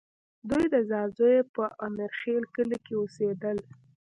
دوی د ځاځیو په امیرخېل کلي کې اوسېدل